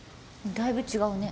だいぶ違うね。